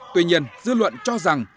tuy nhiên dư luận cho rằng